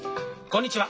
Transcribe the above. こんにちは。